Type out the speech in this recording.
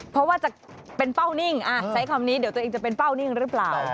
เพราะว่าจะเป็นเป้านิ่งใช้คำนี้เดี๋ยวตัวเองจะเป็นเป้านิ่งหรือเปล่า